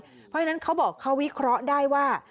เพราะฉะนั้นเขาบอกเขาวิเคราะห์ได้ว่า